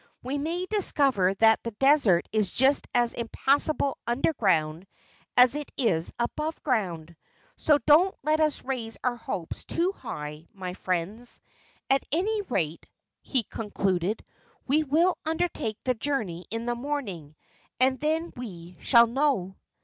We may discover that the desert is just as impassable underground as it is above ground. So don't let us raise our hopes too high, my friends. At any rate," he concluded, "we will undertake the journey in the morning, and then we shall know."